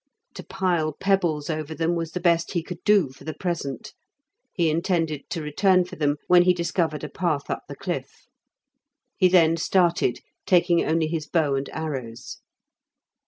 To pile pebbles over them was the best he could do for the present; he intended to return for them when he discovered a path up the cliff. He then started, taking only his bow and arrows.